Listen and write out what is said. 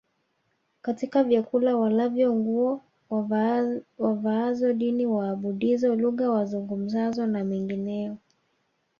katika vyakula walavyo nguo wavaazo dini waabudizo lugha wazungumzazo na mengineyo